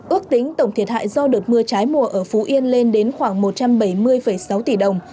ước tính tổng thiệt hại do đợt mưa trái mùa ở phú yên lên đến khoảng một trăm bảy mươi sáu tỷ đồng